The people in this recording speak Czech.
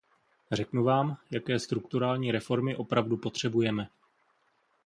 Řeknu vám, jaké strukturální reformy opravdu potřebujeme.